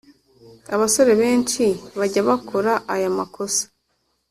abasore benshi bajya bakora aya makosa